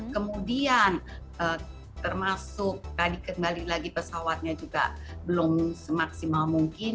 kemudian termasuk tadi kembali lagi pesawatnya juga belum semaksimal mungkin